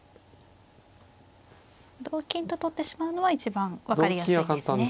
同金と取ってしまうのは一番分かりやすいですね。